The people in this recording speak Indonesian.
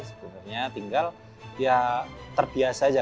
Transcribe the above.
sebenarnya tinggal ya terbiasa aja